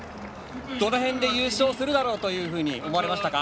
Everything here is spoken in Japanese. どの辺で優勝するだろうと思われましたか？